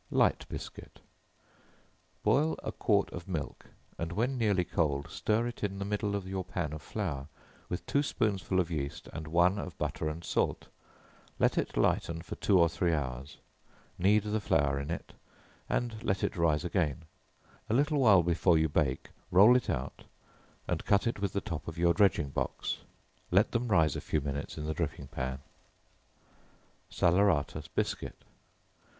Light Biscuit. Boil a quart of milk, and when nearly cold, stir it in the middle of your pan of flour, with two spoonsful of yeast, and one of butter and salt; let it lighten for two or three hours; knead the flour in it, and let it rise again: a little while before you bake, roll it out, and cut it with the top of your dredging box. Let them rise a few minutes in the dripping pan. Salaeratus Biscuit.